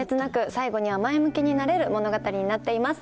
最後には前向きになれる物語になっています。